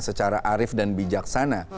secara arif dan bijaksana